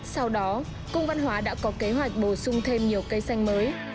sau đó cung văn hóa đã có kế hoạch bổ sung thêm nhiều cây xanh mới